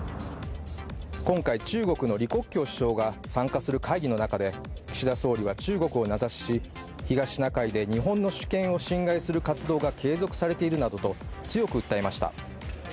今回、中国の李克強首相が参加する会議の中で岸田総理は中国を名指しし、東シナ海で日本の主権を侵害する活動が継続されているなどと強く訴えました。